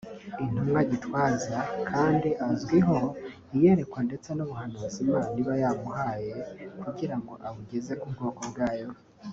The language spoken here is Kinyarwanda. Intumwa Gitwaza kandi azwiho iyerekwa ndetse n’ubuhanuzi Imana iba yamuhaye kugira ngo abugeze ku bwoko bwayo